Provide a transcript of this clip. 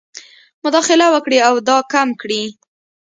مداخله وکړي او دا کم کړي.